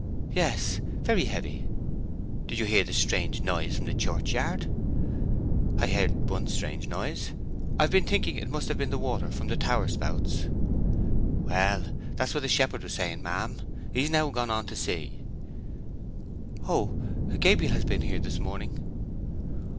"Yes, very heavy." "Did you hear the strange noise from the churchyard?" "I heard one strange noise. I've been thinking it must have been the water from the tower spouts." "Well, that's what the shepherd was saying, ma'am. He's now gone on to see." "Oh! Gabriel has been here this morning!"